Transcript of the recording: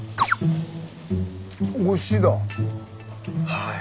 はい。